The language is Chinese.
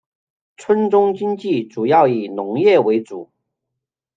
村中经济主要以农业为主。